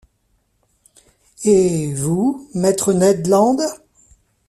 Et, vous, maître Ned Land?